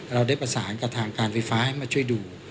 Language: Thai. เราได้ประสานกับทางการไฟฟ้าให้มาช่วยดู